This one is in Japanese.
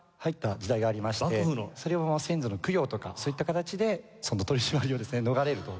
それを先祖の供養とかそういった形で取り締まりをですね逃れると。